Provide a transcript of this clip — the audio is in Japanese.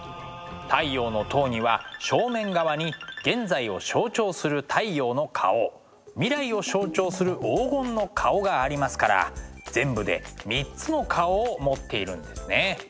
「太陽の塔」には正面側に現在を象徴する太陽の顔未来を象徴する黄金の顔がありますから全部で３つの顔を持っているんですね。